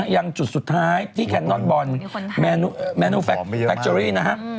อย่างจุดสุดท้ายที่แคนนอนบอลแมนูแฟคเจอรี่นะฮะ